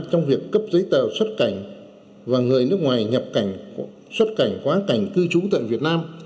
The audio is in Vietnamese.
trong việc cấp giấy tờ xuất cảnh và người nước ngoài nhập cảnh xuất cảnh quá cảnh cư trú tại việt nam